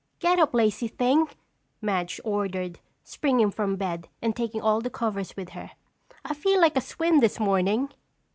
"Get up, lazy thing!" Madge ordered, springing from bed and taking all the covers with her. "I feel like a swim this morning."